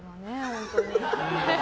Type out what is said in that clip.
本当に。